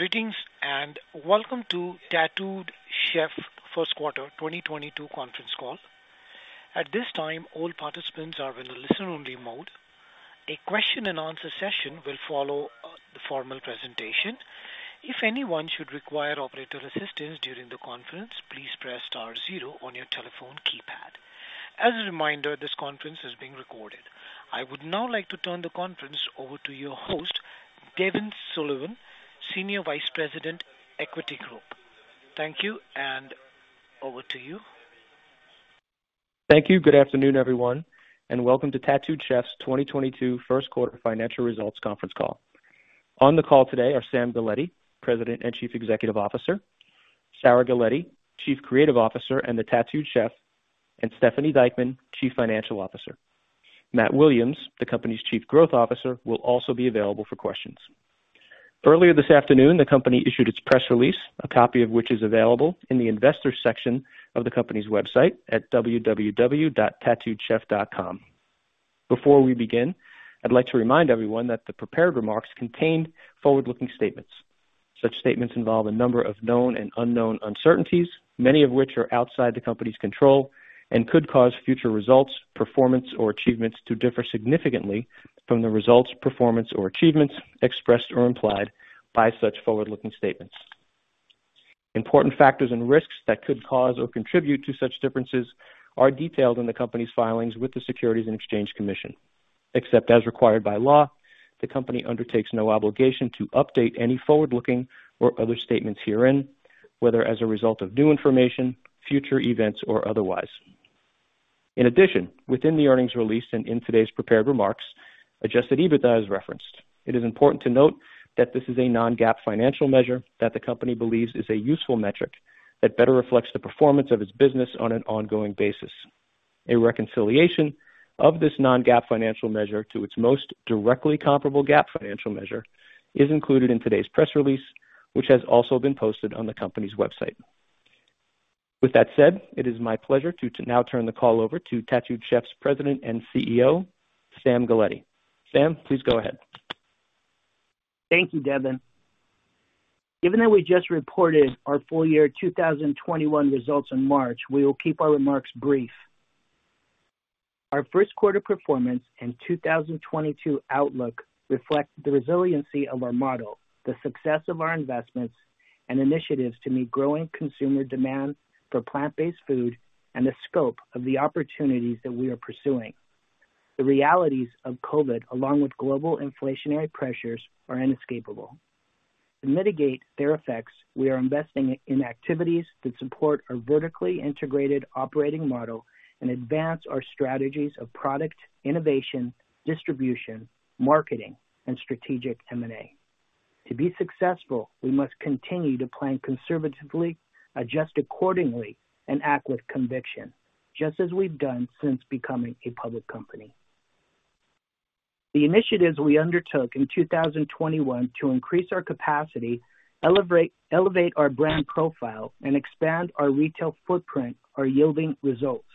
Greetings, and welcome to Tattooed Chef first quarter 2022 Conference Call. At this time, all participants are in a listen-only mode. A question-and-answer session will follow the formal presentation. If anyone should require operator assistance during the conference, please press star zero on your telephone keypad. As a reminder, this conference is being recorded. I would now like to turn the conference over to your host, Devin Sullivan, Senior Vice President, The Equity Group. Thank you, and over to you. Thank you. Good afternoon, everyone, and welcome to Tattooed Chef's 2022 first quarter financial results conference call. On the call today are Sam Galletti, President and Chief Executive Officer, Sarah Galletti, Chief Creative Officer, Tattooed Chef, and Stephanie Dieckmann, Chief Financial Officer. Matt Williams, the company's Chief Growth Officer, will also be available for questions. Earlier this afternoon, the company issued its press release, a copy of which is available in the investors section of the company's website at www.tattooedchef.com. Before we begin, I'd like to remind everyone that the prepared remarks contain forward-looking statements. Such statements involve a number of known and unknown uncertainties, many of which are outside the company's control and could cause future results, performance, or achievements to differ significantly from the results, performance, or achievements expressed or implied by such forward-looking statements. Important factors and risks that could cause or contribute to such differences are detailed in the company's filings with the Securities and Exchange Commission. Except as required by law, the company undertakes no obligation to update any forward-looking or other statements herein, whether as a result of new information, future events, or otherwise. In addition, within the earnings release and in today's prepared remarks, adjusted EBITDA is referenced. It is important to note that this is a non-GAAP financial measure that the company believes is a useful metric that better reflects the performance of its business on an ongoing basis. A reconciliation of this non-GAAP financial measure to its most directly comparable GAAP financial measure is included in today's press release, which has also been posted on the company's website. With that said, it is my pleasure to now turn the call over to Tattooed Chef's President and CEO, Sam Galletti. Sam, please go ahead. Thank you, Devin. Given that we just reported our full year 2021 results in March, we will keep our remarks brief. Our first quarter performance and 2022 outlook reflect the resiliency of our model, the success of our investments and initiatives to meet growing consumer demand for plant-based food and the scope of the opportunities that we are pursuing. The realities of COVID, along with global inflationary pressures, are inescapable. To mitigate their effects, we are investing in activities that support our vertically integrated operating model and advance our strategies of product innovation, distribution, marketing, and strategic M&A. To be successful, we must continue to plan conservatively, adjust accordingly, and act with conviction, just as we've done since becoming a public company. The initiatives we undertook in 2021 to increase our capacity, elevate our brand profile, and expand our retail footprint are yielding results.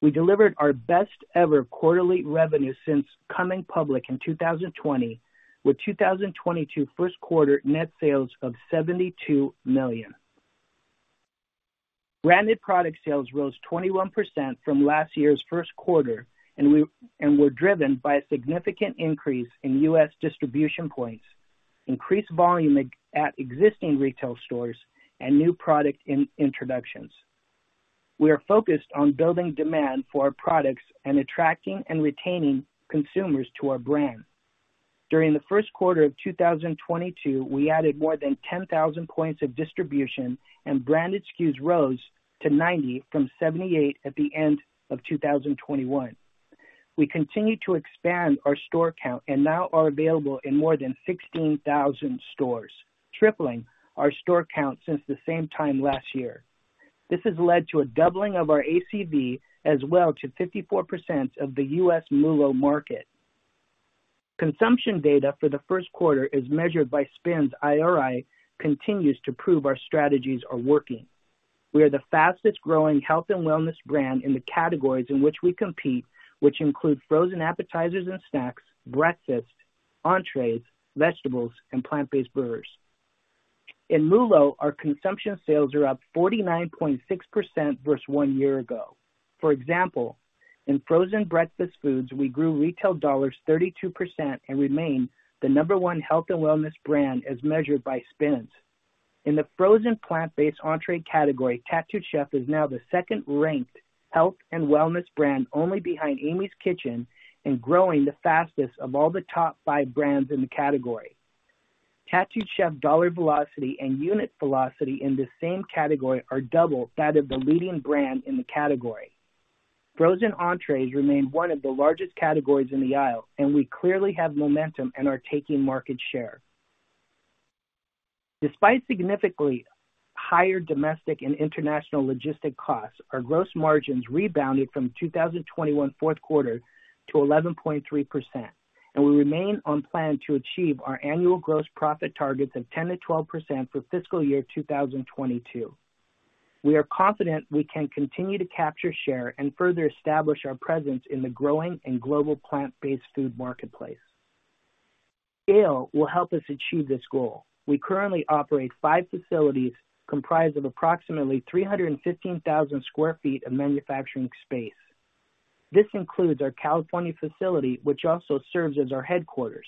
We delivered our best ever quarterly revenue since coming public in 2020, with 2022 first quarter net sales of $72 million. Branded product sales rose 21% from last year's first quarter and were driven by a significant increase in U.S. distribution points, increased volume at existing retail stores, and new product introductions. We are focused on building demand for our products and attracting and retaining consumers to our brand. During the first quarter of 2022, we added more than 10,000 points of distribution, and branded SKUs rose to 90 from 78 at the end of 2021. We continue to expand our store count and now are available in more than 16,000 stores, tripling our store count since the same time last year. This has led to a doubling of our ACV as well to 54% of the U.S. MULO market. Consumption data for the first quarter, as measured by SPINS/IRI, continues to prove our strategies are working. We are the fastest growing health and wellness brand in the categories in which we compete, which include frozen appetizers and snacks, breakfast, entrees, vegetables, and plant-based burgers. In MULO, our consumption sales are up 49.6% versus one year ago. For example, in frozen breakfast foods, we grew retail dollars 32% and remain the number one health and wellness brand as measured by SPINS. In the frozen plant-based entree category, Tattooed Chef is now the second ranked health and wellness brand, only behind Amy's Kitchen, and growing the fastest of all the top five brands in the category. Tattooed Chef dollar velocity and unit velocity in this same category are double that of the leading brand in the category. Frozen entrees remain one of the largest categories in the aisle, and we clearly have momentum and are taking market share. Despite significantly higher domestic and international logistics costs, our gross margins rebounded from 2021 fourth quarter to 11.3%, and we remain on plan to achieve our annual gross profit targets of 10%-12% for fiscal year 2022. We are confident we can continue to capture share, and further establish our presence in the growing and global plant-based food marketplace. Scale will help us achieve this goal. We currently operate fivefacilities comprised of approximately 315,000 sq ft of manufacturing space. This includes our California facility, which also serves as our headquarters,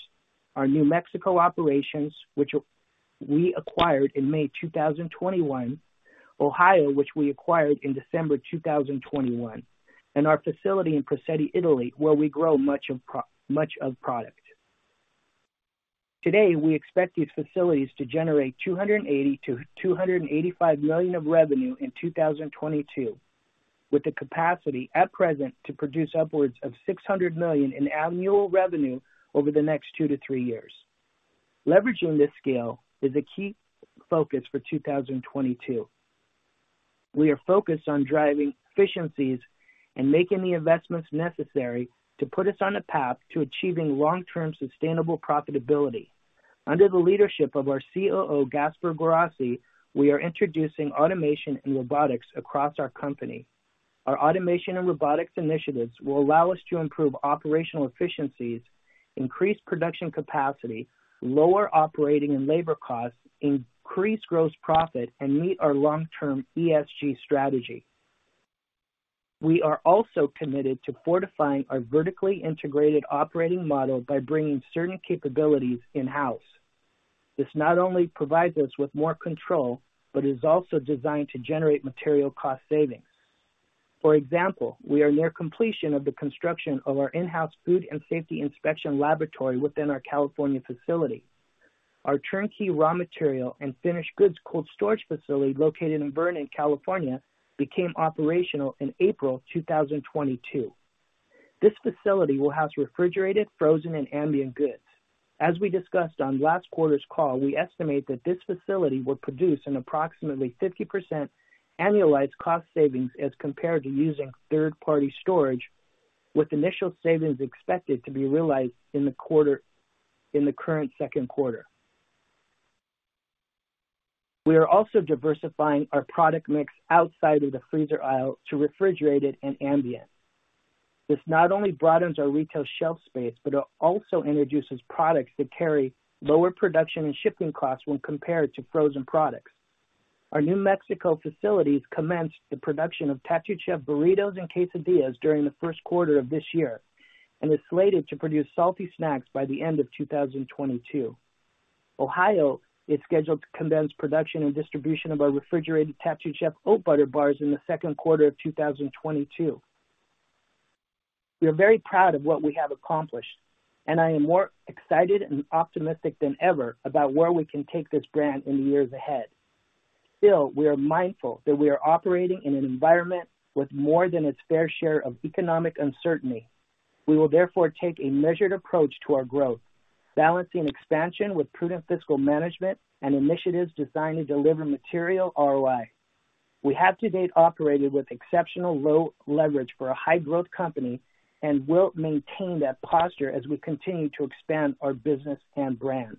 our New Mexico operations, which we acquired in May 2021, Ohio, which we acquired in December 2021, and our facility in Piacenza, Italy, where we grow much of product. Today, we expect these facilities to generate $280 million-$285 million of revenue in 2022, with the capacity at present to produce upwards of $600 million in annual revenue over the next two to three years. Leveraging this scale is a key focus for 2022. We are focused on driving efficiencies and making the investments necessary to put us on a path to achieving long-term sustainable profitability. Under the leadership of our COO, Gasper Guarrasi, we are introducing automation and robotics across our company. Our automation and robotics initiatives will allow us to improve operational efficiencies, increase production capacity, lower operating and labor costs, increase gross profit, and meet our long-term ESG strategy. We are also committed to fortifying our vertically integrated operating model by bringing certain capabilities in-house. This not only provides us with more control, but is also designed to generate material cost savings. For example, we are near completion of the construction of our in-house food and safety inspection laboratory within our California facility. Our turnkey raw material and finished goods cold storage facility, located in Vernon, California, became operational in April 2022. This facility will house refrigerated, frozen, and ambient goods. As we discussed on last quarter's call, we estimate that this facility will produce an approximately 50% annualized cost savings as compared to using third-party storage, with initial savings expected to be realized in the current second quarter. We are also diversifying our product mix outside of the freezer aisle to refrigerated and ambient. This not only broadens our retail shelf space, but it also introduces products that carry lower production and shipping costs when compared to frozen products. Our New Mexico facilities commenced the production of Tattooed Chef burritos and quesadillas during the first quarter of this year, and is slated to produce salty snacks by the end of 2022. Ohio is scheduled to commence production and distribution of our refrigerated Tattooed Chef oat butter bars in the second quarter of 2022. We are very proud of what we have accomplished, and I am more excited and optimistic than ever about where we can take this brand in the years ahead. Still, we are mindful that we are operating in an environment with more than its fair share of economic uncertainty. We will therefore take a measured approach to our growth, balancing expansion with prudent fiscal management and initiatives designed to deliver material ROI. We have to date operated with exceptional low leverage for a high growth company and will maintain that posture as we continue to expand our business and brand.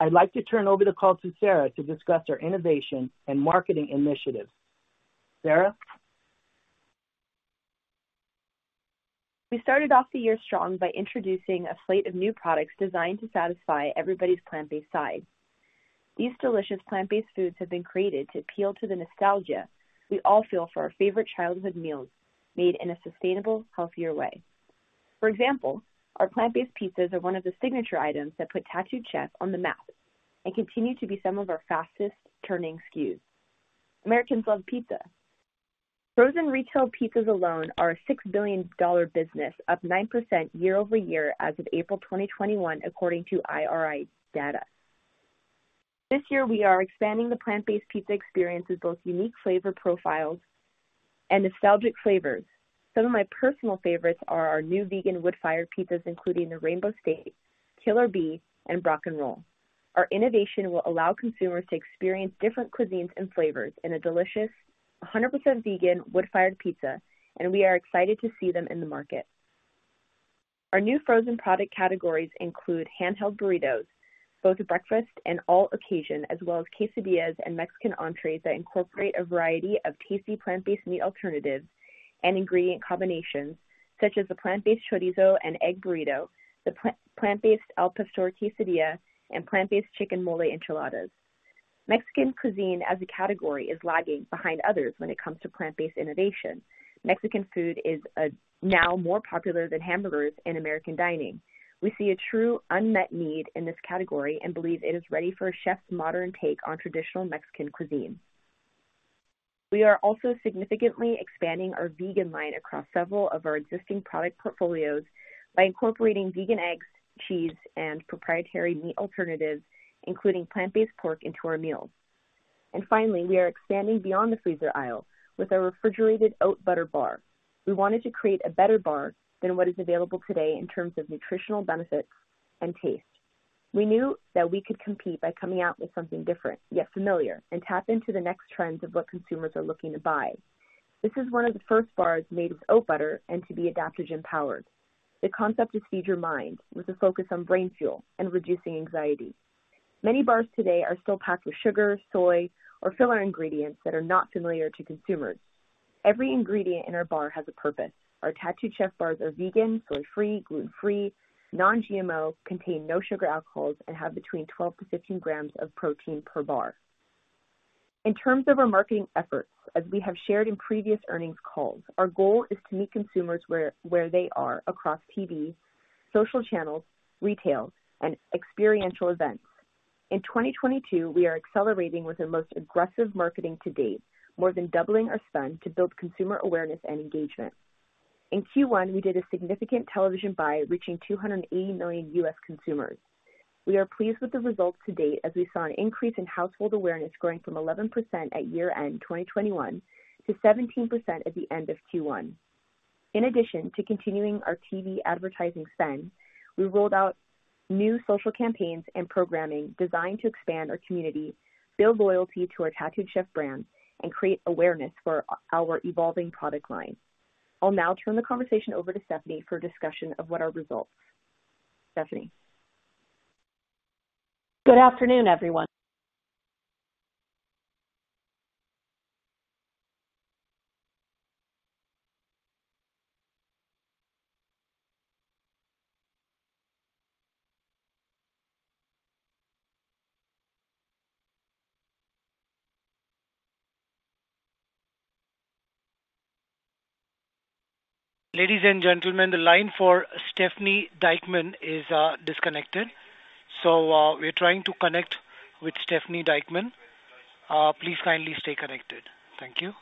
I'd like to turn over the call to Sarah to discuss our innovation and marketing initiatives. Sarah? We started off the year strong by introducing a slate of new products designed to satisfy everybody's plant-based side. These delicious plant-based foods have been created to appeal to the nostalgia we all feel for our favorite childhood meals, made in a sustainable, healthier way. For example, our plant-based pizzas are one of the signature items that put Tattooed Chef on the map and continue to be some of our fastest-turning SKUs. Americans love pizza. Frozen retail pizzas alone are a $6 billion business, up 9% year-over-year as of April 2021, according to IRI data. This year, we are expanding the plant-based pizza experience with both unique flavor profiles and nostalgic flavors. Some of my personal favorites are our new vegan wood-fired pizzas, including the Rainbow State, Killer Bee, and Brocc and Roll. Our innovation will allow consumers to experience different cuisines and flavors in a delicious, 100% vegan wood-fired pizza, and we are excited to see them in the market. Our new frozen product categories include handheld burritos, both breakfast and all occasion, as well as quesadillas and Mexican entrees that incorporate a variety of tasty plant-based meat alternatives and ingredient combinations, such as the plant-based chorizo and egg burrito, the plant-based al pastor quesadilla, and plant-based chicken mole enchiladas. Mexican cuisine as a category is lagging behind others when it comes to plant-based innovation. Mexican food is now more popular than hamburgers in American dining. We see a true unmet need in this category and believe it is ready for a chef's modern take on traditional Mexican cuisine. We are also significantly expanding our vegan line across several of our existing product portfolios by incorporating vegan eggs, cheese, and proprietary meat alternatives, including plant-based pork, into our meals. Finally, we are expanding beyond the freezer aisle with our refrigerated oat butter bar. We wanted to create a better bar than what is available today in terms of nutritional benefits and taste. We knew that we could compete by coming out with something different, yet familiar, and tap into the next trends of what consumers are looking to buy. This is one of the first bars made with oat butter and to be adaptogen-powered. The concept is feed your mind with a focus on brain fuel and reducing anxiety. Many bars today are still packed with sugar, soy, or filler ingredients that are not familiar to consumers. Every ingredient in our bar has a purpose. Our Tattooed Chef bars are vegan, soy-free, gluten-free, non-GMO, contain no sugar alcohols, and have between 12-15 gm of protein per bar. In terms of our marketing efforts, as we have shared in previous earnings calls, our goal is to meet consumers where they are across TV, social channels, retail, and experiential events. In 2022, we are accelerating with the most aggressive marketing to date, more than doubling our spend to build consumer awareness and engagement. In Q1, we did a significant television buy, reaching 280 million U.S. consumers. We are pleased with the results to date as we saw an increase in household awareness growing from 11% at year-end, 2021, to 17% at the end of Q1. In addition to continuing our TV advertising spend, we rolled out new social campaigns and programming designed to expand our community, build loyalty to our Tattooed Chef brand, and create awareness for our evolving product line. I'll now turn the conversation over to Stephanie for a discussion of what our results. Stephanie. Good afternoon, everyone. Ladies and gentlemen, the line for Stephanie Dieckmann is disconnected. We are trying to connect with Stephanie Dieckmann. Please kindly stay connected. Thank you.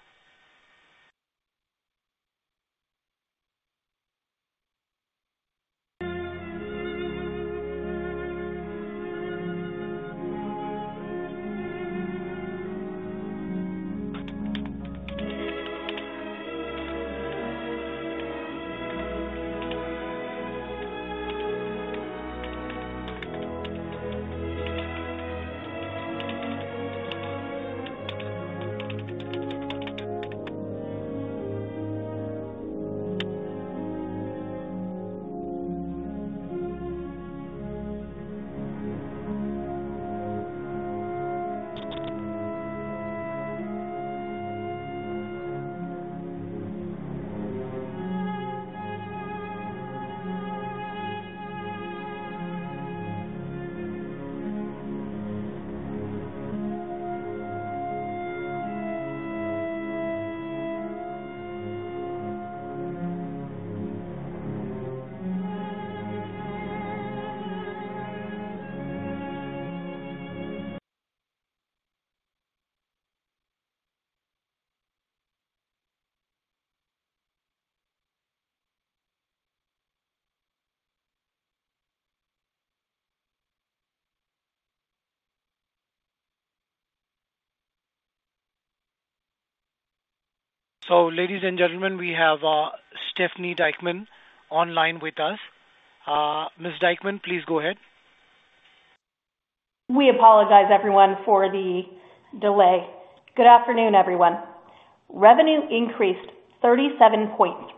Ladies and gentlemen, we have Stephanie Dieckmann online with us. Ms. Dieckmann, please go ahead. We apologize, everyone, for the delay. Good afternoon, everyone. Revenue increased 37.3%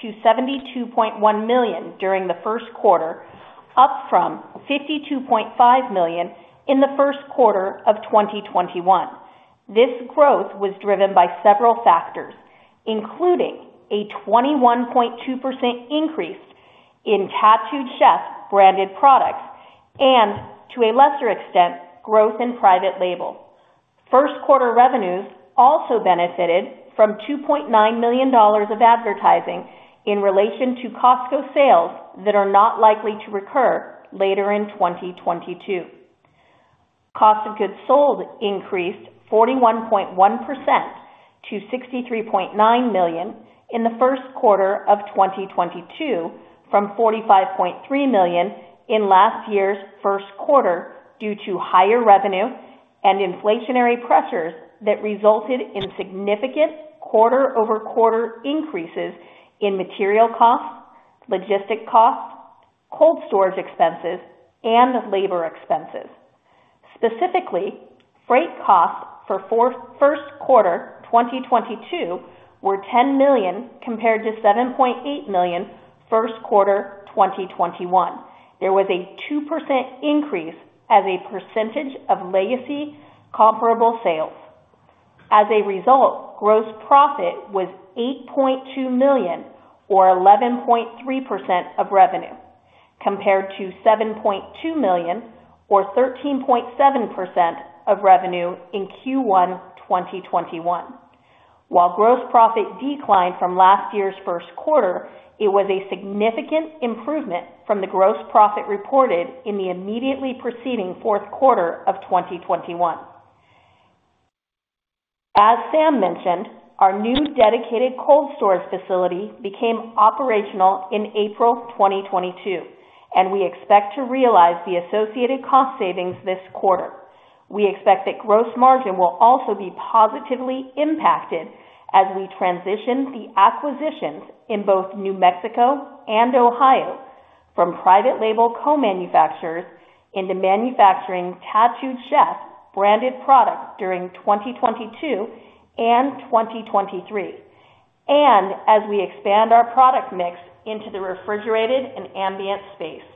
to $72.1 million during the first quarter, up from $52.5 million in the first quarter of 2021. This growth was driven by several factors, including a 21.2% increase in Tattooed Chef branded products and to a lesser extent, growth in private label. First quarter revenues also benefited from $2.9 million of advertising in relation to Costco sales that are not likely to recur later in 2022. Cost of goods sold increased 41.1% to $63.9 million in the first quarter of 2022 from $45.3 million in last year's first quarter due to higher revenue and inflationary pressures that resulted in significant quarter-over-quarter increases in material costs, logistic costs, cold storage expenses, and labor expenses. Specifically, freight costs for first quarter 2022 were $10 million compared to $7.8 million first quarter 2021. There was a 2% increase as a percentage of legacy comparable sales. As a result, gross profit was $8.2 million or 11.3% of revenue, compared to $7.2 million or 13.7% of revenue in Q1 2021. While gross profit declined from last year's first quarter, it was a significant improvement from the gross profit reported in the immediately preceding fourth quarter of 2021. As Sam mentioned, our new dedicated cold storage facility became operational in April 2022, and we expect to realize the associated cost savings this quarter. We expect that gross margin will also be positively impacted as we transition the acquisitions in both New Mexico and Ohio from private label co-manufacturers into manufacturing Tattooed Chef branded products during 2022 and 2023. We expand our product mix into the refrigerated and ambient space.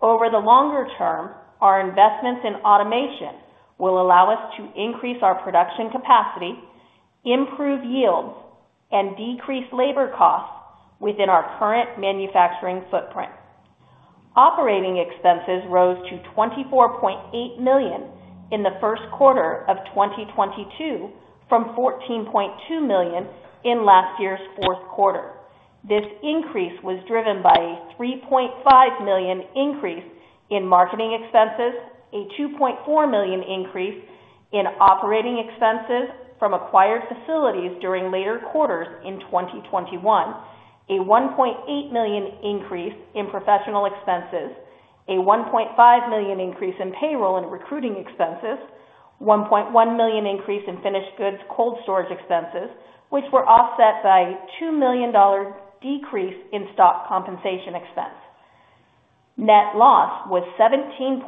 Over the longer term, our investments in automation will allow us to increase our production capacity, improve yields, and decrease labor costs within our current manufacturing footprint. Operating expenses rose to $24.8 million in the first quarter of 2022, from $14.2 million in last year's fourth quarter. This increase was driven by a $3.5 million increase in marketing expenses, a $2.4 million increase in operating expenses from acquired facilities during later quarters in 2021. A $1.8 million increase in professional expenses, a $1.5 million increase in payroll and recruiting expenses, $1.1 million increase in finished goods cold storage expenses, which were offset by a $2 million decrease in stock compensation expense. Net loss was $17.6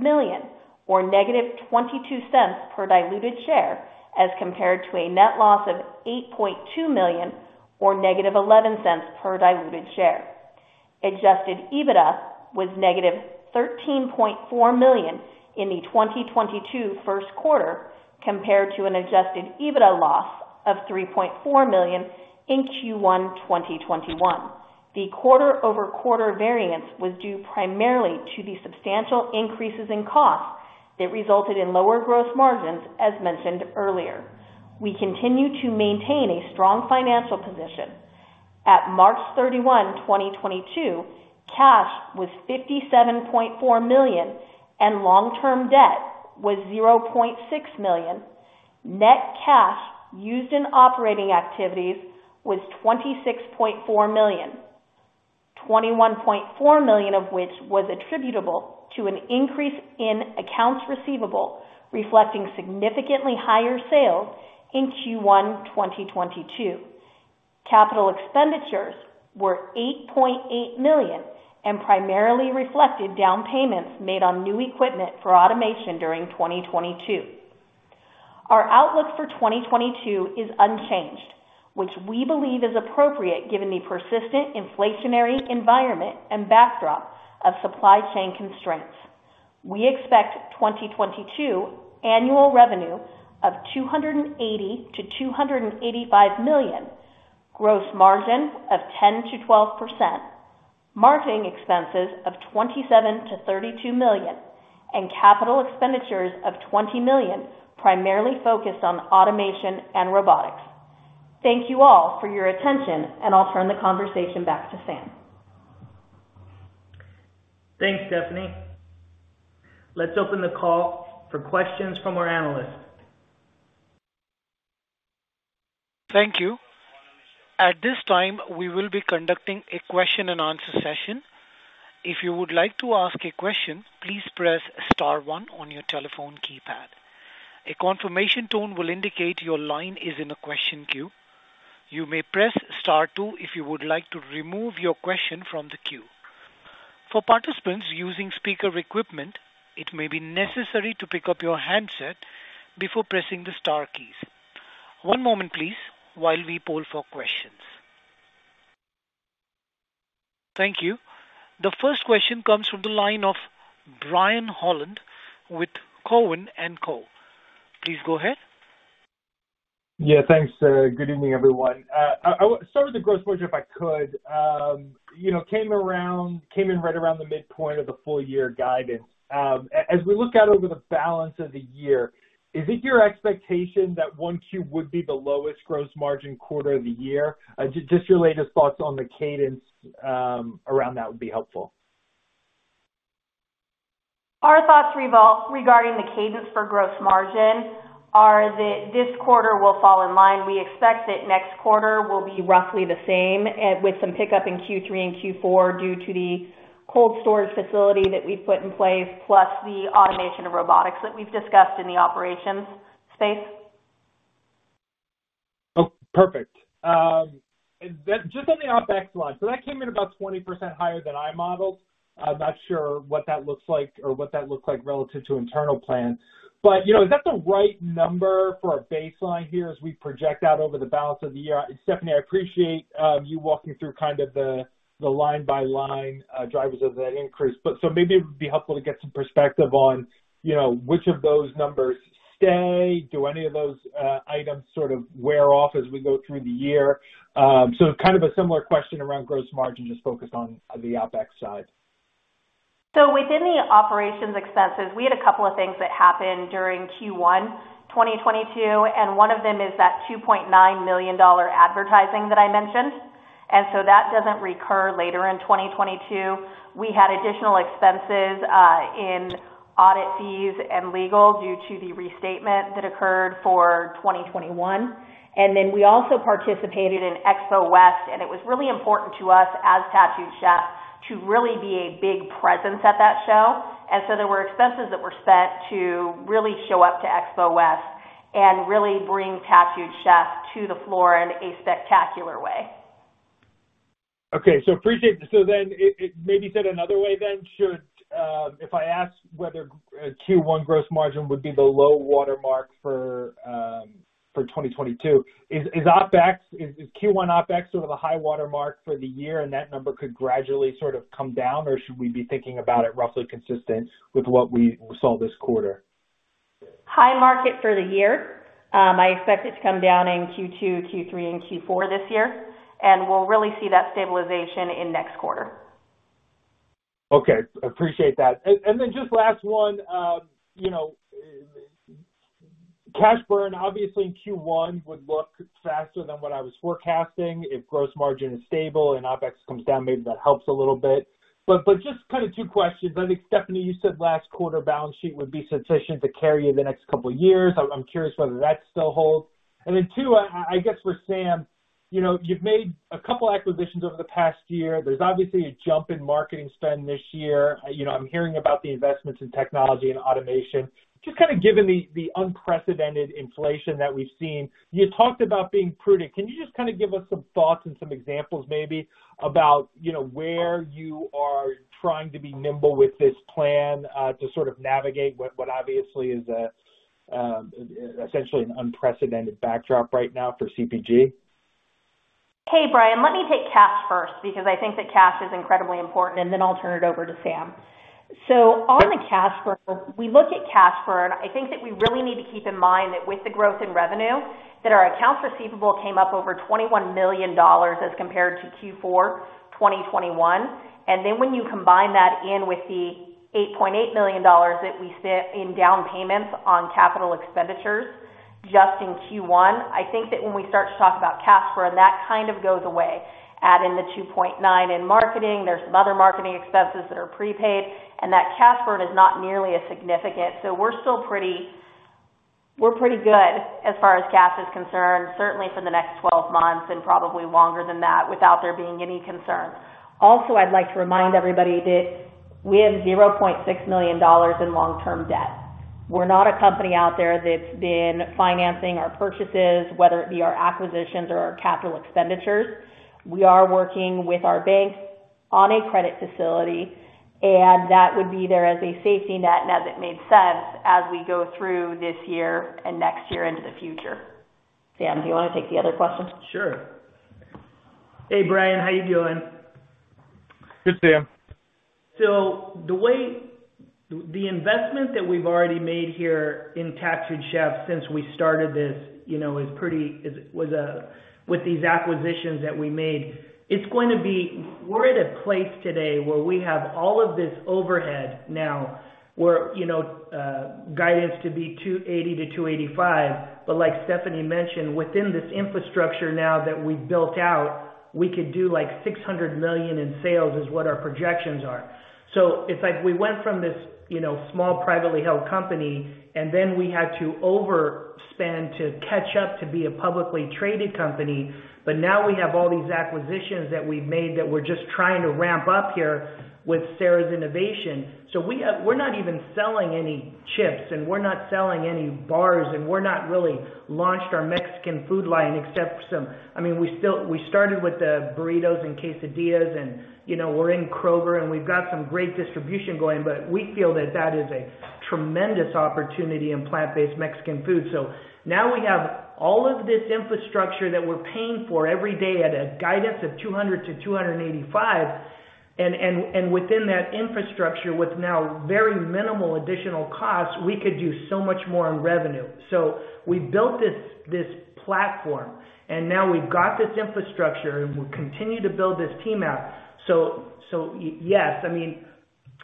million or negative $0.22 per diluted share, as compared to a net loss of $8.2 million or negative $0.11 per diluted share. Adjusted EBITDA was negative $13.4 million in the 2022 first quarter compared to an adjusted EBITDA loss of $3.4 million in Q1 2021. The quarter-over-quarter variance was due primarily to the substantial increases in costs that resulted in lower gross margins, as mentioned earlier. We continue to maintain a strong financial position. At March 31, 2022, cash was $57.4 million and long-term debt was $0.6 million. Net cash used in operating activities was $26.4 million, $21.4 million of which was attributable to an increase in accounts receivable, reflecting significantly higher sales in Q1 2022. Capital expenditures were $8.8 million and primarily reflected down payments made on new equipment for automation during 2022. Our outlook for 2022 is unchanged, which we believe is appropriate given the persistent inflationary environment and backdrop of supply chain constraints. We expect 2022 annual revenue of $280 million-$285 million, gross margin of 10%-12%, marketing expenses of $27 million-$32 million, and capital expenditures of $20 million, primarily focused on automation and robotics. Thank you all for your attention, and I'll turn the conversation back to Sam. Thanks, Stephanie. Let's open the call for questions from our analysts. Thank you. At this time, we will be conducting a question and answer session. If you would like to ask a question, please press star one on your telephone keypad. A confirmation tone will indicate your line is in the question queue. You may press star two if you would like to remove your question from the queue. For participants using speaker equipment, it may be necessary to pick up your handset before pressing the star keys. One moment please while we poll for questions. Thank you. The first question comes from the line of Brian Holland with Cowen and Co. Please go ahead. Yeah, thanks. Good evening, everyone. I will start with the gross margin, if I could. You know, came in right around the midpoint of the full year guidance. As we look out over the balance of the year, is it your expectation that 1Q would be the lowest gross margin quarter of the year? Just your latest thoughts on the cadence around that would be helpful. Regarding the cadence for gross margin, our thoughts are that this quarter will fall in line. We expect that next quarter will be roughly the same, with some pickup in Q3 and Q4 due to the cold storage facility that we've put in place, plus the automation of robotics that we've discussed in the operations space. Oh, perfect. Just on the OpEx line. That came in about 20% higher than I modeled. I'm not sure what that looks like or what that looked like relative to internal plan. You know, is that the right number for a baseline here as we project out over the balance of the year? Stephanie, I appreciate you walking through kind of the line by line drivers of that increase, but maybe it would be helpful to get some perspective on, you know, which of those numbers stay. Do any of those items sort of wear off as we go through the year? Kind of a similar question around gross margin, just focused on the OpEx side. Within the operations expenses, we had a couple of things that happened during Q1 2022, and one of them is that $2.9 million advertising that I mentioned. That doesn't recur later in 2022. We had additional expenses in audit fees and legal due to the restatement that occurred for 2021. We also participated in Expo West, and it was really important to us as Tattooed Chef to really be a big presence at that show. There were expenses that were spent to really show up to Expo West. Really bring Tattooed Chef to the floor in a spectacular way. I appreciate. It maybe said another way, if I ask whether Q1 gross margin would be the low watermark for 2022. Is Q1 OpEx sort of a high watermark for the year and that number could gradually sort of come down, or should we be thinking about it roughly consistent with what we saw this quarter? High margin for the year. I expect it to come down in Q2, Q3, and Q4 this year, and we'll really see that stabilization in next quarter. Okay. Appreciate that. Then just last one. You know, cash burn obviously in Q1 would look faster than what I was forecasting. If gross margin is stable and OpEx comes down, maybe that helps a little bit. Just kind of two questions. I think, Stephanie, you said last quarter balance sheet would be sufficient to carry you the next couple of years. I'm curious whether that still holds. Two, I guess for Sam, you know, you've made a couple acquisitions over the past year. There's obviously a jump in marketing spend this year. You know, I'm hearing about the investments in technology and automation. Just kind of given the unprecedented inflation that we've seen, you talked about being prudent. Can you just kind of give us some thoughts and some examples maybe about, you know, where you are trying to be nimble with this plan, to sort of navigate what what obviously is, essentially an unprecedented backdrop right now for CPG? Hey, Brian, let me take cash first because I think that cash is incredibly important, and then I'll turn it over to Sam. On the cash burn, we look at cash burn. I think that we really need to keep in mind that with the growth in revenue, that our accounts receivable came up over $21 million as compared to Q4 2021. When you combine that in with the $8.8 million that we spent in down payments on capital expenditures just in Q1, I think that when we start to talk about cash burn, that kind of goes away. Add in the $2.9 million in marketing, there's some other marketing expenses that are prepaid, and that cash burn is not nearly as significant. We're still pretty. We're pretty good as far as cash is concerned, certainly for the next 12 months and probably longer than that without there being any concern. Also, I'd like to remind everybody that we have $0.6 million in long-term debt. We're not a company out there that's been financing our purchases, whether it be our acquisitions or our capital expenditures. We are working with our banks on a credit facility, and that would be there as a safety net, and as it made sense as we go through this year and next year into the future. Sam, do you wanna take the other question? Sure. Hey, Brian, how you doing? Good, Sam. The investment that we've already made here in Tattooed Chef since we started this, you know, was with these acquisitions that we made, it's going to be. We're at a place today where we have all of this overhead now, you know, guidance to be $280 million-$285 million. Like Stephanie mentioned, within this infrastructure now that we've built out, we could do like $600 million in sales is what our projections are. It's like we went from this, you know, small, privately held company, and then we had to overspend to catch up to be a publicly traded company. Now we have all these acquisitions that we've made that we're just trying to ramp up here with Sarah's innovation. We are not even selling any chips, and we are not selling any bars, and we are not really launched our Mexican food line except for some. I mean, we still. We started with the burritos and quesadillas and, you know, we are in Kroger, and we have got some great distribution going. We feel that that is a tremendous opportunity in plant-based Mexican food. Now we have all of this infrastructure that we are paying for every day at a guidance of $200-$285. Within that infrastructure, with now very minimal additional costs, we could do so much more on revenue. We built this platform, and now we have got this infrastructure, and we continue to build this team out. Yes, I mean,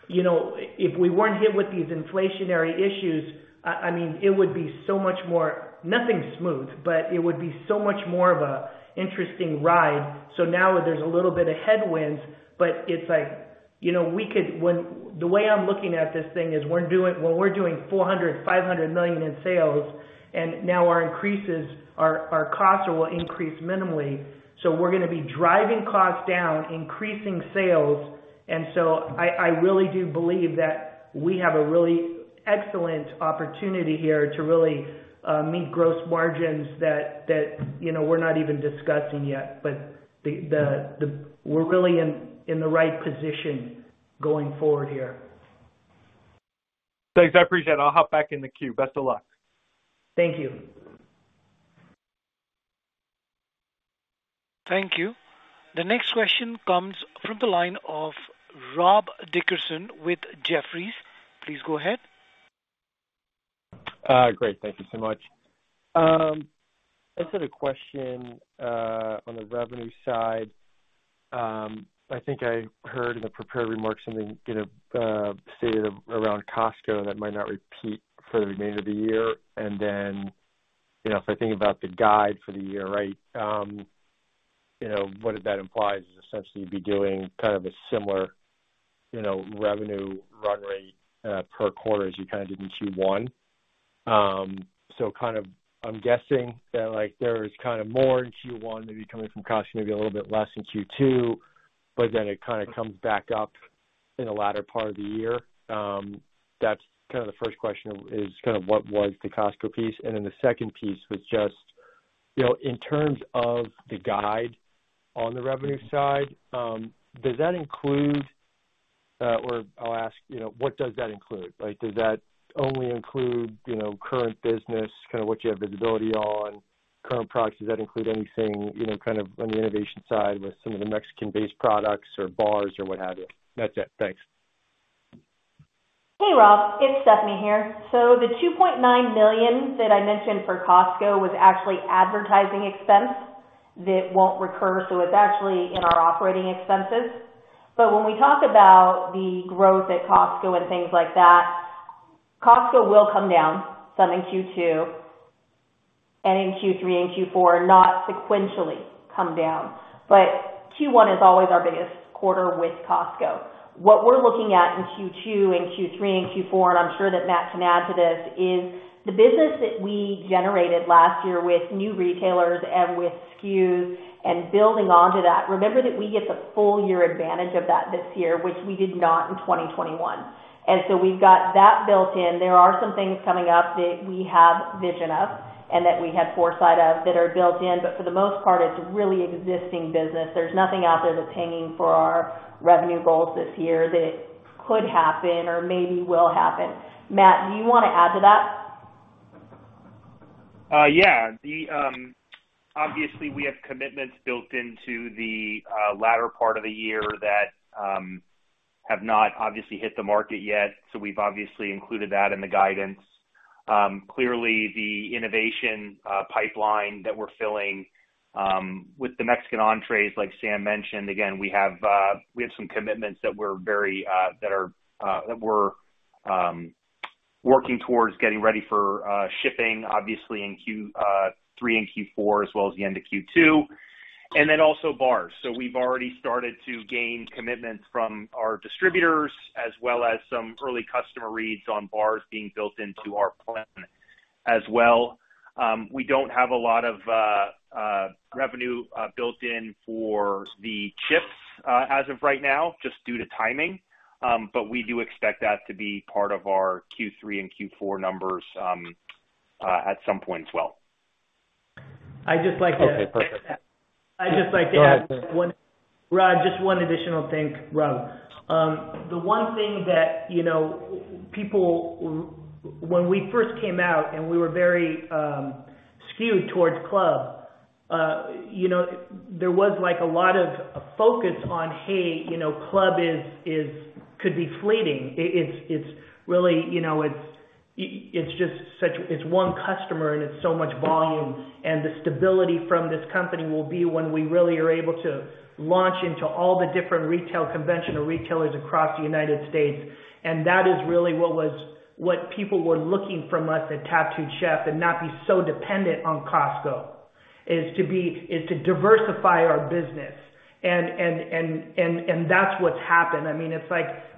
you know, if we weren't hit with these inflationary issues, I mean, it would be so much more. Nothing's smooth, but it would be so much more of a interesting ride. Now there's a little bit of headwinds, but it's like, you know, the way I'm looking at this thing is when we're doing $400 million-$500 million in sales and now our increases, our costs will increase minimally. We're gonna be driving costs down, increasing sales. I really do believe that we have a really excellent opportunity here to really meet gross margins that, you know, we're not even discussing yet. But we're really in the right position going forward here. Thanks. I appreciate it. I'll hop back in the queue. Best of luck. Thank you. Thank you. The next question comes from the line of Rob Dickerson with Jefferies. Please go ahead. Great. Thank you so much. I just had a question on the revenue side. I think I heard in the prepared remarks something, you know, stated around Costco that might not repeat for the remainder of the year. Then, you know, if I think about the guide for the year, right, you know, what that implies is essentially you'd be doing kind of a similar, you know, revenue run rate per quarter as you kinda did in Q1. Kind of I'm guessing that, like, there is kinda more in Q1 maybe coming from Costco, maybe a little bit less in Q2, but then it kinda comes back up. In the latter part of the year. That's kind of the first question is kind of what was the Costco piece? Then the second piece was just, you know, in terms of the guide on the revenue side, does that include, you know, what does that include? Like, does that only include, you know, current business, kind of what you have visibility on current products? Does that include anything, you know, kind of on the innovation side with some of the Mexican-based products or bars or what have you? That's it. Thanks. Hey, Rob. It's Stephanie here. The $2.9 million that I mentioned for Costco was actually advertising expense that won't recur, so it's actually in our operating expenses. When we talk about the growth at Costco and things like that, Costco will come down some in Q2 and in Q3 and Q4, not sequentially come down. Q1 is always our biggest quarter with Costco. What we're looking at in Q2 and Q3 and Q4, and I'm sure that Matt can add to this, is the business that we generated last year with new retailers and with SKUs and building onto that. Remember that we get the full year advantage of that this year, which we did not in 2021. We've got that built in. There are some things coming up that we have vision of and that we have foresight of that are built in, but for the most part, it's really existing business. There's nothing out there that's hanging for our revenue goals this year that could happen or maybe will happen. Matt, do you wanna add to that? Obviously, we have commitments built into the latter part of the year that have not obviously hit the market yet, so we've obviously included that in the guidance. Clearly the innovation pipeline that we're filling with the Mexican entrees, like Sam mentioned, again, we have some commitments that we're working towards getting ready for shipping obviously in Q3 and Q4 as well as the end of Q2. Then also bars. So we've already started to gain commitments from our distributors as well as some early customer reads on bars being built into our plan as well. We don't have a lot of revenue built in for the chips as of right now just due to timing. We do expect that to be part of our Q3 and Q4 numbers at some point as well. I'd just like to. Okay, perfect. I'd just like to add one. Go ahead, Sam. Rob, just one additional thing, Rob. The one thing that, you know, people, when we first came out, and we were very skewed towards club, you know, there was, like, a lot of focus on, hey, you know, club is could be fleeting. It's really, you know, it's just such a, it's one customer, and it's so much volume. The stability from this company will be when we really are able to launch into all the different retail, conventional retailers across the United States. That is really what was, what people were looking from us at Tattooed Chef and not be so dependent on Costco, is to be, is to diversify our business. That's what's happened. I mean, it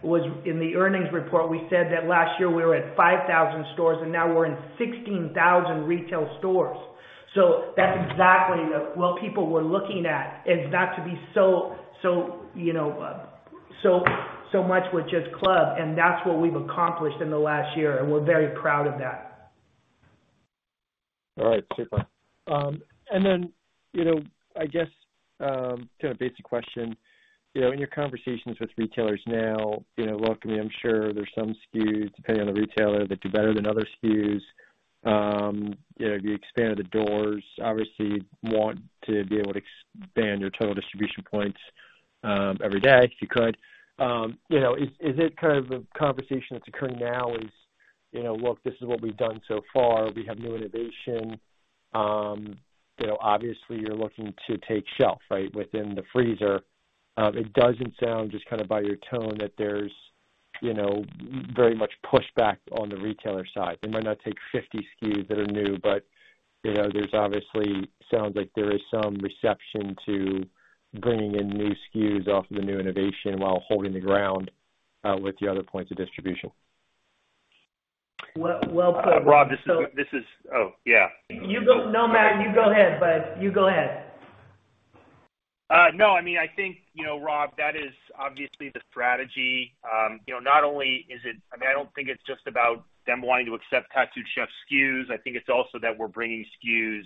was in the earnings report, we said that last year we were at 5,000 stores, and now we're in 16,000 retail stores. That's exactly what people were looking at is not to be so, you know, so much with just club, and that's what we've accomplished in the last year, and we're very proud of that. All right. Super. You know, I guess, kind of basic question. You know, in your conversations with retailers now, you know, welcoming, I'm sure there's some SKUs, depending on the retailer, that do better than other SKUs. You know, the expansion of the doors, obviously you'd want to be able to expand your total distribution points, every day if you could. You know, is it kind of a conversation that's occurring now, you know, look, this is what we've done so far. We have new innovation. You know, obviously you're looking to take shelf, right, within the freezer. It doesn't sound just kind of by your tone that there's, you know, very much pushback on the retailer side. They might not take 50 SKUs that are new, but, you know, there's obviously sounds like there is some reception to bringing in new SKUs off of the new innovation while holding the ground with the other points of distribution. Well, well put. Rob, this is. Oh, yeah. You go. No, Matt, you go ahead, bud. You go ahead. No, I mean, I think, you know, Rob, that is obviously the strategy. You know, not only is it. I mean, I don't think it's just about them wanting to accept Tattooed Chef SKUs. I think it's also that we're bringing SKUs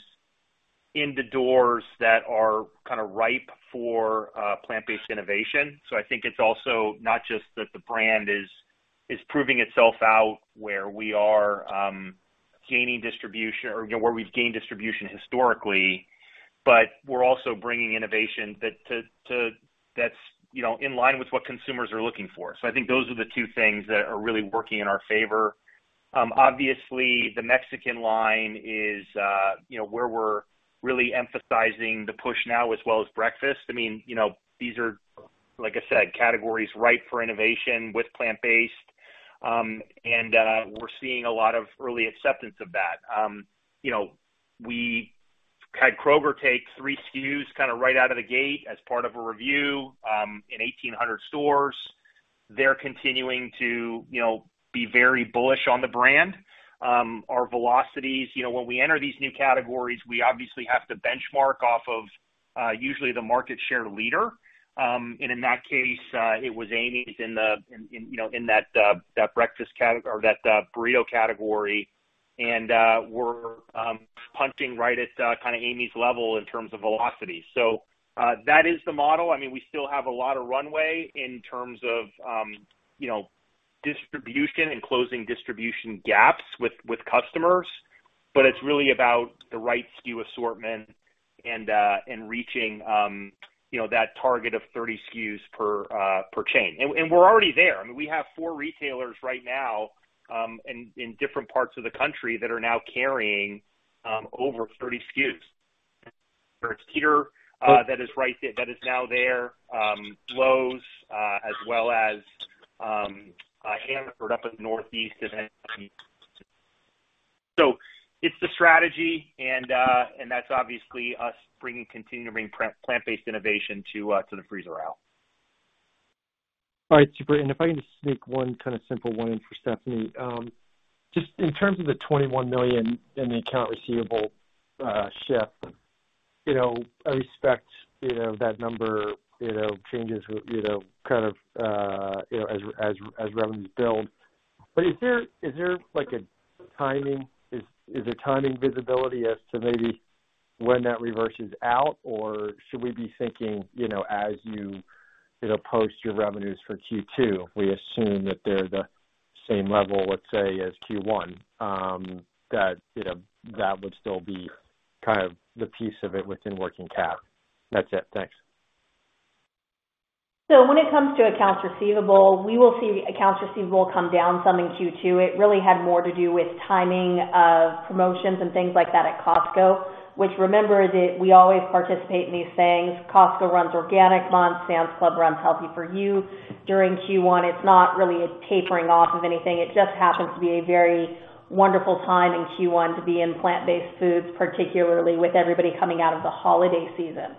in the doors that are kind of ripe for plant-based innovation. I think it's also not just that the brand is proving itself out where we are gaining distribution or, you know, where we've gained distribution historically, but we're also bringing innovation that's in line with what consumers are looking for. I think those are the two things that are really working in our favor. Obviously, the Mexican line is where we're really emphasizing the push now as well as breakfast. I mean, you know, these are, like I said, categories ripe for innovation with plant-based. We're seeing a lot of early acceptance of that. You know, we had Kroger take three SKUs kinda right out of the gate as part of a review in 1,800 stores. They're continuing to, you know, be very bullish on the brand. Our velocities, you know, when we enter these new categories, we obviously have to benchmark off of usually the market share leader. In that case, it was Amy's in the, you know, in that burrito category. We're punching right at kind of Amy's level in terms of velocity. That is the model. I mean, we still have a lot of runway in terms of you know, distribution and closing distribution gaps with customers. But it's really about the right SKU assortment and reaching you know, that target of 30 SKUs per chain. We're already there. I mean, we have four retailers right now in different parts of the country that are now carrying over 30 SKUs. There's Publix that is right there, Lowe's as well as Hannaford up in the Northeast. It's the strategy and that's obviously us continuing to bring plant-based innovation to the freezer aisle. All right, super. If I can just sneak one kind of simple one in for Stephanie. Just in terms of the $21 million in the accounts receivable shift, you know, I respect, you know, that number, you know, changes you know, kind of, you know, as revenues build. Is there like a timing? Is there timing visibility as to maybe when that reverses out? Or should we be thinking, you know, as you know, post your revenues for Q2, we assume that they're the same level, let's say, as Q1, that, you know, that would still be kind of the piece of it within working cap. That's it. Thanks. When it comes to accounts receivable, we will see accounts receivable come down some in Q2. It really had more to do with timing of promotions and things like that at Costco, which remember that we always participate in these things. Costco runs Organic Month, Sam's Club runs Healthy For You during Q1. It's not really a tapering off of anything. It just happens to be a very wonderful time in Q1 to be in plant-based foods, particularly with everybody coming out of the holiday season.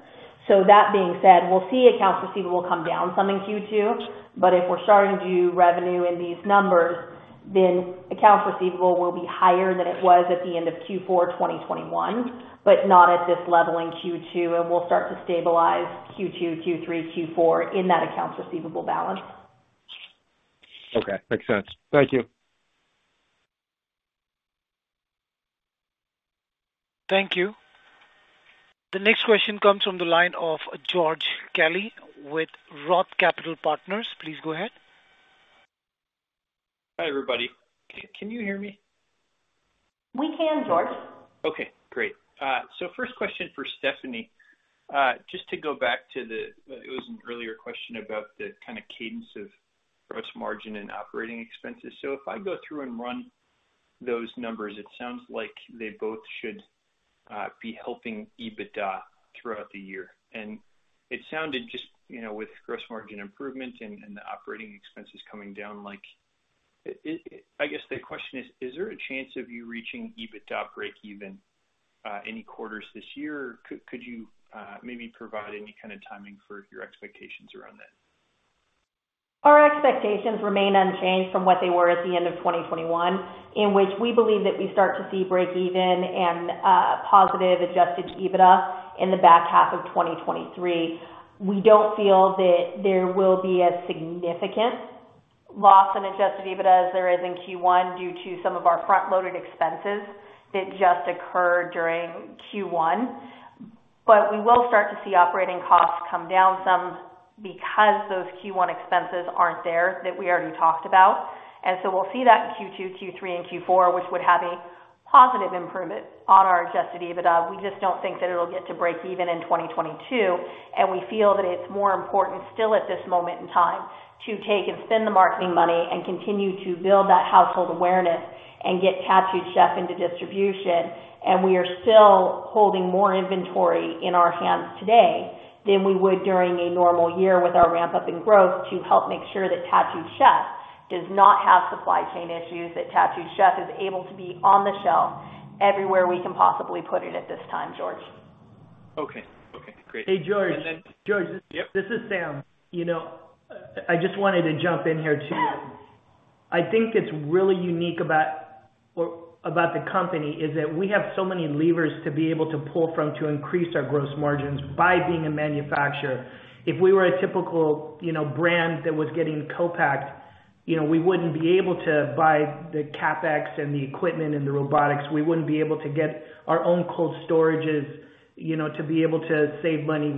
That being said, we'll see accounts receivable come down some in Q2, but if we're starting to do revenue in these numbers, then accounts receivable will be higher than it was at the end of Q4 2021, but not at this level in Q2, and we'll start to stabilize Q2, Q3, Q4 in that accounts receivable balance. Okay. Makes sense. Thank you. Thank you. The next question comes from the line of George Kelly with Roth Capital Partners. Please go ahead. Hi, everybody. Can you hear me? We can, George. Okay, great. First question for Stephanie. Just to go back to the, it was an earlier question about the kind of cadence of gross margin and operating expenses. If I go through and run those numbers, it sounds like they both should be helping EBITDA throughout the year. It sounded just, you know, with gross margin improvement and the operating expenses coming down, like, I guess the question is: Is there a chance of you reaching EBITDA breakeven any quarters this year? Could you maybe provide any kind of timing for your expectations around that? Our expectations remain unchanged from what they were at the end of 2021, in which we believe that we start to see breakeven and positive adjusted EBITDA in the back half of 2023. We don't feel that there will be a significant loss in adjusted EBITDA as there is in Q1 due to some of our front-loaded expenses that just occurred during Q1. We will start to see operating costs come down some because those Q1 expenses aren't there that we already talked about. We'll see that in Q2, Q3, and Q4, which would have a positive improvement on our adjusted EBITDA. We just don't think that it'll get to breakeven in 2022, and we feel that it's more important still at this moment in time to take and spend the marketing money and continue to build that household awareness and get Tattooed Chef into distribution. We are still holding more inventory in our hands today than we would during a normal year with our ramp-up in growth to help make sure that Tattooed Chef does not have supply chain issues, that Tattooed Chef is able to be on the shelf everywhere we can possibly put it at this time, George. Okay. Okay, great. Hey, George. And then- George. Yep. This is Sam. You know, I just wanted to jump in here, too. I think it's really unique about the company is that we have so many levers to be able to pull from to increase our gross margins by being a manufacturer. If we were a typical, you know, brand that was getting co-packed, you know, we wouldn't be able to buy the CapEx and the equipment and the robotics. We wouldn't be able to get our own cold storages, you know, to be able to save money.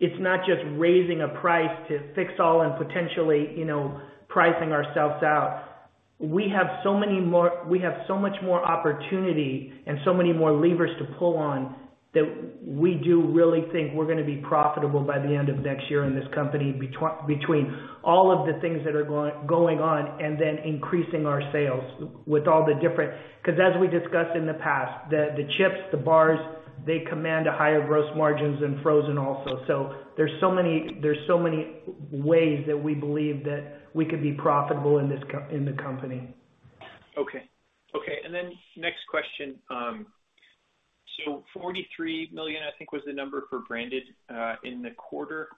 It's not just raising a price to fix all and potentially, you know, pricing ourselves out. We have so much more opportunity and so many more levers to pull on that we do really think we're gonna be profitable by the end of next year in this company between all of the things that are going on and then increasing our sales with all the different. Because as we discussed in the past, the chips, the bars, they command higher gross margins and frozen also. There's so many ways that we believe that we could be profitable in this company. Forty-three million, I think, was the number for branded in the quarter.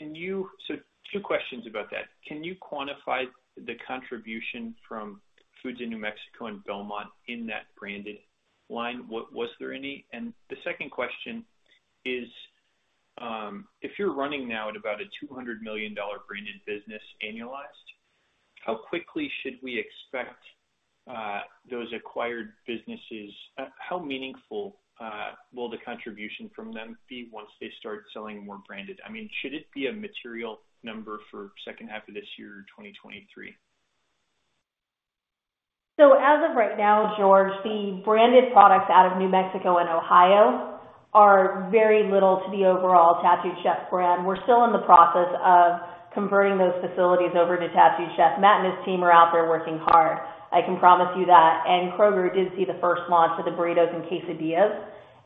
Two questions about that. Can you quantify the contribution from New Mexico Food Distributors and Belmont Confections in that branded line? Was there any? The second question is, if you're running now at about a $200 million branded business annualized, how meaningful will the contribution from them be once they start selling more branded? I mean, should it be a material number for second half of this year, 2023? As of right now, George, the branded products out of New Mexico and Ohio are very little to the overall Tattooed Chef brand. We're still in the process of converting those facilities over to Tattooed Chef. Matt and his team are out there working hard. I can promise you that. Kroger did see the first launch of the burritos and quesadillas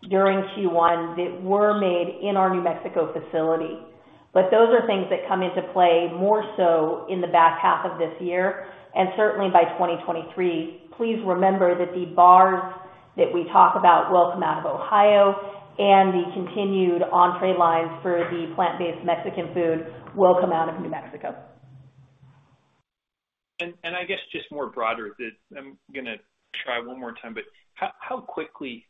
during Q1 that were made in our New Mexico facility. Those are things that come into play more so in the back half of this year, and certainly by 2023. Please remember that the bars that we talk about will come out of Ohio, and the continued entree lines for the plant-based Mexican food will come out of New Mexico. I guess just more broader that I'm gonna try one more time. How quickly,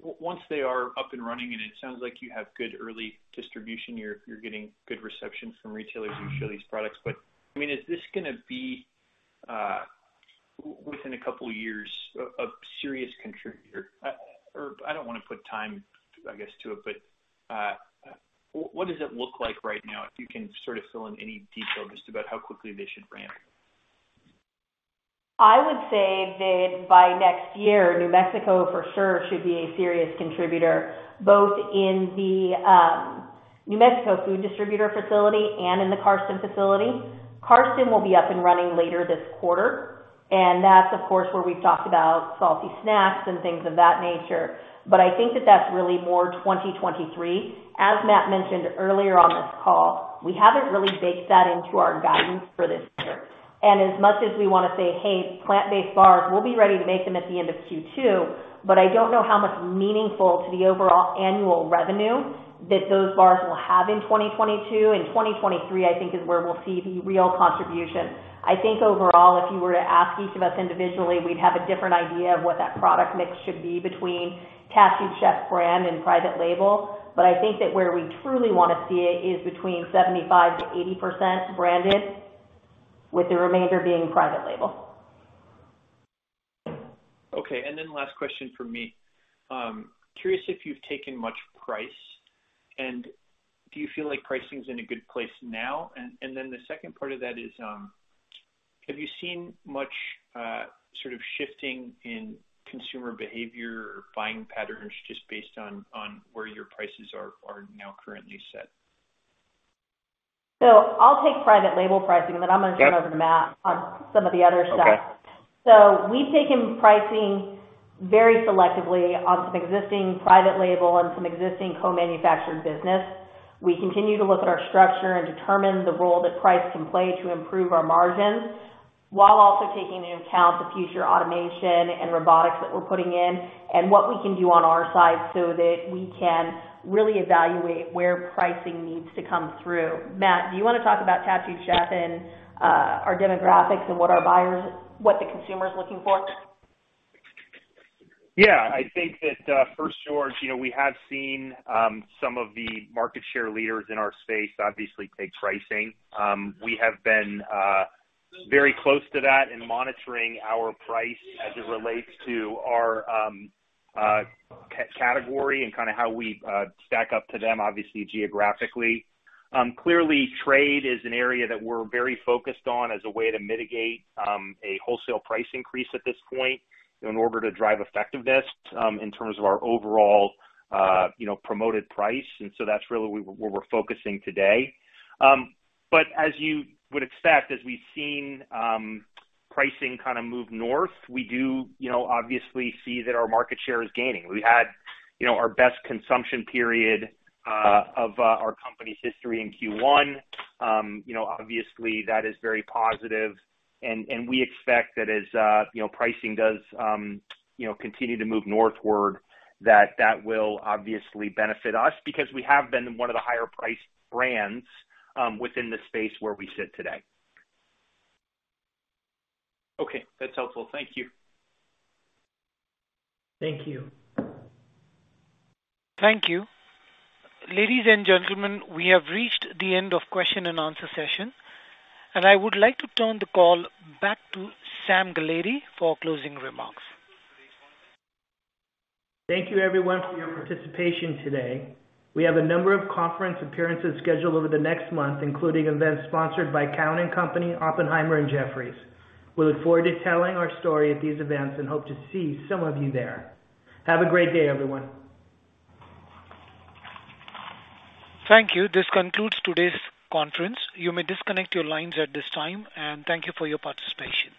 once they are up and running, and it sounds like you have good early distribution, you're getting good reception from retailers who show these products. I mean, is this gonna be within a couple years a serious contributor? Or I don't wanna put time, I guess, to it, but what does it look like right now, if you can sort of fill in any detail just about how quickly they should ramp? I would say that by next year, New Mexico for sure should be a serious contributor, both in the New Mexico Food Distributors facility and in the Carson facility. Carson will be up and running later this quarter, and that's of course where we've talked about salty snacks and things of that nature. I think that that's really more 2023. As Matt mentioned earlier on this call, we haven't really baked that into our guidance for this year. As much as we wanna say, "Hey, plant-based bars, we'll be ready to make them at the end of Q2," I don't know how much meaningful to the overall annual revenue that those bars will have in 2022. 2023, I think, is where we'll see the real contribution. I think overall, if you were to ask each of us individually, we'd have a different idea of what that product mix should be between Tattooed Chef brand and private label. I think that where we truly wanna see it is between 75%-80% branded, with the remainder being private label. Okay. Last question from me. Curious if you've taken much price, and do you feel like pricing's in a good place now? The second part of that is, have you seen much, sort of shifting in consumer behavior or buying patterns just based on where your prices are now currently set? I'll take private label pricing. Okay. I'm gonna turn over to Matt on some of the other stuff. Okay. We've taken pricing very selectively on some existing private label and some existing co-manufactured business. We continue to look at our structure and determine the role that price can play to improve our margins, while also taking into account the future automation and robotics that we're putting in and what we can do on our side so that we can really evaluate where pricing needs to come through. Matt, do you wanna talk about Tattooed Chef and our demographics and what the consumer's looking for? Yeah. I think that first, George, you know, we have seen some of the market share leaders in our space obviously take pricing. We have been very close to that in monitoring our price as it relates to our category and kinda how we stack up to them, obviously geographically. Clearly, trade is an area that we're very focused on as a way to mitigate a wholesale price increase at this point in order to drive effectiveness in terms of our overall, you know, promoted price. That's really where we're focusing today. As you would expect, as we've seen, pricing kinda move north, we do, you know, obviously see that our market share is gaining. We had, you know, our best consumption period of our company's history in Q1. You know, obviously that is very positive and we expect that as you know, pricing does you know continue to move northward, that will obviously benefit us because we have been one of the higher priced brands within the space where we sit today. Okay. That's helpful. Thank you. Thank you. Thank you. Ladies and gentlemen, we have reached the end of question and answer session, and I would like to turn the call back to Sam Galletti for closing remarks. Thank you everyone for your participation today. We have a number of conference appearances scheduled over the next month, including events sponsored by Cowen and Company, Oppenheimer, and Jefferies. We look forward to telling our story at these events and hope to see some of you there. Have a great day, everyone. Thank you. This concludes today's conference. You may disconnect your lines at this time, and thank you for your participation.